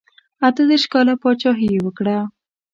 اته دېرش کاله پاچهي یې وکړه.